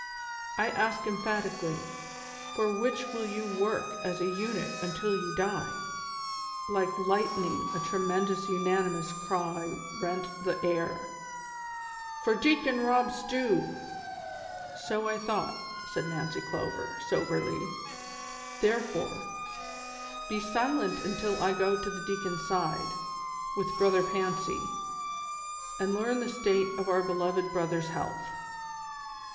I ask, emphatically, for which will you work as a unit until you die V " 184 THE SOCIAL WAR OF 1900; OR, Like liglitning a tremendous unanimous cry rent the air :"• For Deacon Kob Stew !"" So I thought," said Nancy Clover, soberly ;" therefore, be silent until I go to the deacon's side, with Brothei* Fancy, and learn the state of our beloved brother's health."